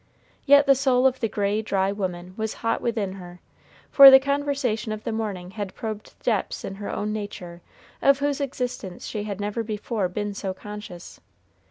Yet the soul of the gray, dry woman was hot within her, for the conversation of the morning had probed depths in her own nature of whose existence she had never before been so conscious.